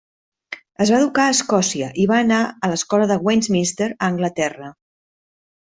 Es va educar a Escòcia i va anar a l'escola de Westminster a Anglaterra.